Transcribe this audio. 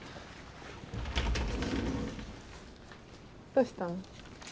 どうしたの？